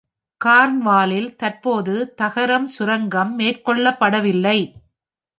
கார்ன்வாலில் தற்போது தகரம் சுரங்கம் மேற்கொள்ளப்படவில்லை.